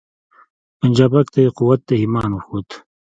پنجابک ته یې قوت د ایمان وښود